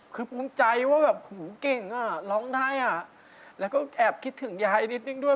คือปรุงใจว่าเก่งร้องได้แล้วก็แอบคิดถึงยายนิดหนึ่งด้วย